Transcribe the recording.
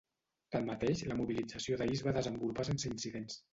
Tanmateix, la mobilització d’ahir es va desenvolupar sense incidents.